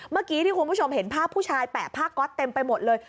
เมื่อกี้ที่คุณผู้ชมเห็นภาพผู้ชายแปะผ้าก๊อตเต็มไปหมดเลย